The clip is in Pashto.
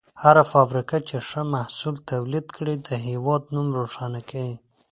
هره فابریکه چې ښه محصول تولید کړي، د هېواد نوم روښانه کوي.